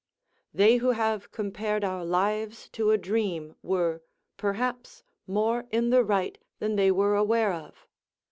They who have compared our lives to a dream were, perhaps, more in the right than they were aware of.